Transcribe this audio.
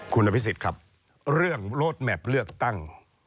คุณอภิษฎครับเรื่องโลดแมพเลือกตั้ง